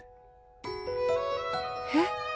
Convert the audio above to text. えっ